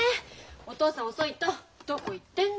お父さん遅いとどこ行ってんだか。